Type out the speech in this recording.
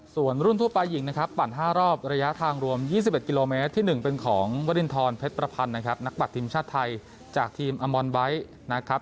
ส่วนรุ่นทั่วไปหญิงนะครับปั่น๕รอบระยะทางรวม๒๑กิโลเมตรที่๑เป็นของวรินทรเพชรประพันธ์นะครับนักปัดทีมชาติไทยจากทีมอมอนไบท์นะครับ